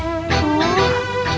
coba emang liat di sin